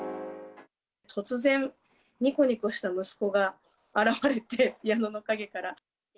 突然にこにこした息子が現れて、ピアノの陰から。